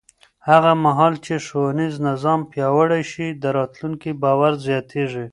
هغه مهال چې ښوونیز نظام پیاوړی شي، د راتلونکي باور زیاتېږي.